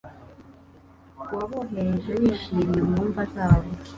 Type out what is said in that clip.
Wabohereje wishimye mu mva zabo